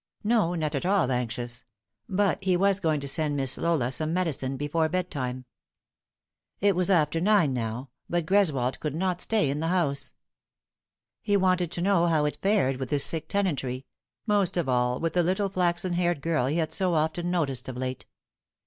No, not at all anxious ; but he was going to send Miss Laura some medicine before bed time. It was after nine now, but Greswold could not stay in the 56 The Fatal Thru. house. He wanted to know how it fared with his sick tenantry most of all with the little flaxen haired girl he had so often noticed of late.